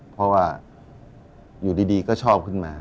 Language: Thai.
เพราะว่าอยู่ดีก็ชอบขึ้นมา